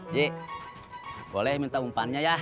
ji boleh minta umpannya ya